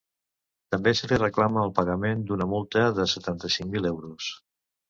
També se li reclama el pagament d’una multa de setanta-cinc mil euros.